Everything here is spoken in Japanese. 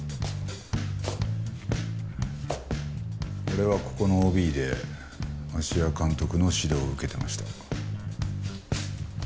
俺はここのＯＢで芦屋監督の指導を受けてました。